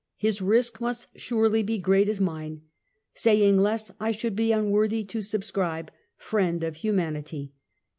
His risk must surely be great as mine. Saying less, I should be unworthy to subscribe, — Friend of Hu manity.